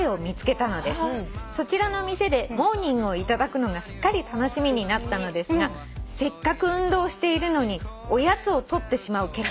「そちらの店でモーニングをいただくのがすっかり楽しみになったのですがせっかく運動しているのにおやつを取ってしまう結果に」